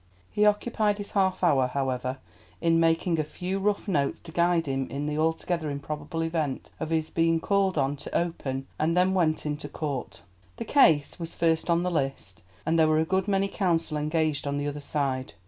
He occupied his half hour, however, in making a few rough notes to guide him in the altogether improbable event of his being called on to open, and then went into court. The case was first on the list, and there were a good many counsel engaged on the other side.